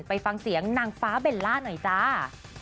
ไปฟังเสียงนางฟ้าเบลล่าหน่อยจ้า